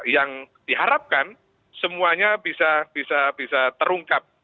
yang diharapkan semuanya bisa terungkap